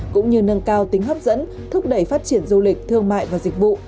cũng như nâng cao tính hấp dẫn thúc đẩy phát triển du lịch thương mại và dịch vụ